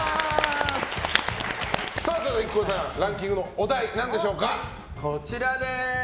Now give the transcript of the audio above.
それではＩＫＫＯさんランキングのお題は何でしょう？